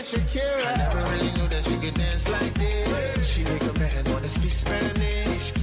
เชียงนี้ก็แม่งไม่ได้สังเกตุภาษาพันธ์